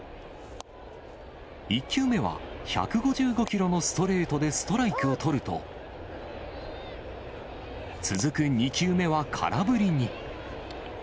１球目は１５５キロのストレートでストライクを取ると、続く２球目は空振りに。